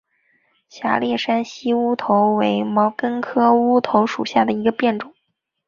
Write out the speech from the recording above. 狭裂山西乌头为毛茛科乌头属下的一个变种。